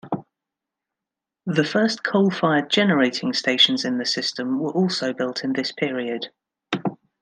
The first coal-fired generating stations in the system were also built in this period.